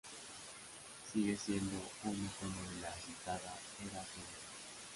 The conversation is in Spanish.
Sigue siendo un icono de la citada era atómica.